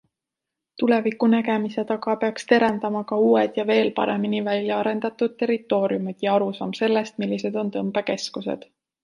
Tuleviku nägemise taga peaks terendama ka uued ja veel paremini välja arendatud territooriumid ja arusaam sellest, millised on tõmbekeskused.